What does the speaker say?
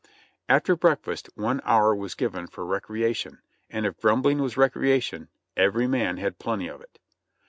After breakfast one hour was given for recreation, and if grum bling was recreation, every man had plenty of it.